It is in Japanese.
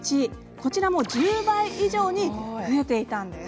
こちらも１０倍以上に増えていたんです。